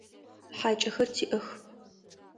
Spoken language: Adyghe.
ХьакӀэхэр тиӀэх.